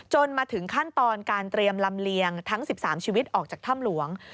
มาถึงขั้นตอนการเตรียมลำเลียงทั้ง๑๓ชีวิตออกจากถ้ำหลวง